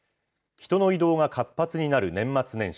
人の移動が活発になる年末年始。